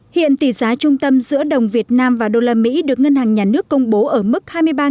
hiện tỷ giá trung tâm giữa đồng việt nam và đô la mỹ được ngân hàng nhà nước công bố ở mức hai mươi ba hai trăm ba mươi bốn